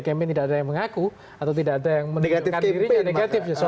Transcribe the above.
nah ini adalah yang kemudian potensi orang lainnya yang bisa di frame dengan cara apa saja